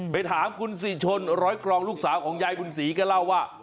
ไปถามคุณศรีชนร้อยครองลูกสาวของยายบุญศรีก็เล่าว่า